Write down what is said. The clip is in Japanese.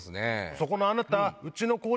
「そこのあなた」。